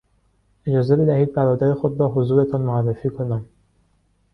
اجازه بدهید برادر خود را حضورتان معرفی کنم.